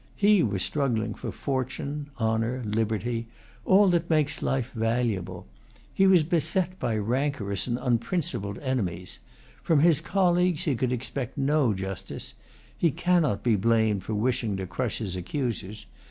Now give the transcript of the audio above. He was struggling for fortune, honor, liberty, all that makes life valuable. He was beset by rancorous and unprincipled enemies. From his colleagues he could expect no justice. He cannot be blamed for wishing to crush his accusers.